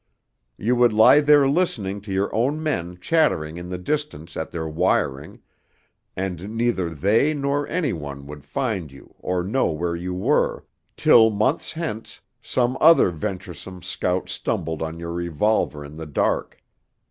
You would lie there listening to your own men chattering in the distance at their wiring, and neither they nor any one would find you or know where you were, till months hence some other venturesome scout stumbled on your revolver in the dark.